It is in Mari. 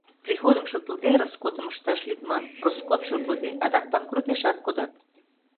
Приходым шотлыде, роскотым ышташ лӱдман, роскот шотлыде, адак панкрутешат кодат.